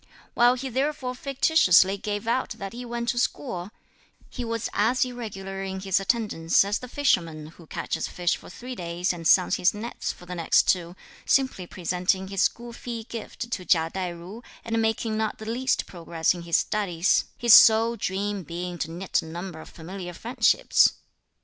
While he therefore fictitiously gave out that he went to school, [he was as irregular in his attendance as the fisherman] who catches fish for three days, and suns his nets for the next two; simply presenting his school fee gift to Chia Tai jui and making not the least progress in his studies; his sole dream being to knit a number of familiar friendships.